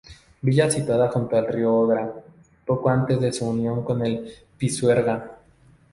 Villa situada junto al río Odra, poco antes de su unión con el Pisuerga.